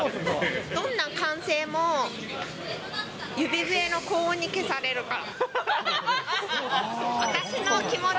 どんな歓声も指笛の高音に消されるから。